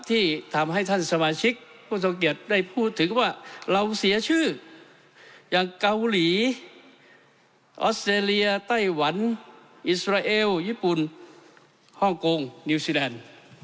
ที่ทำให้ท่านสมาชิกผู้ทรงเกียจได้พูดถึงว่าเราเสียชื่ออย่างเกาหลีออสเตรเลียไต้หวันอิสราเอลญี่ปุ่นฮ่องกงนิวซีแลนด์